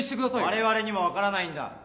われわれにも分からないんだ。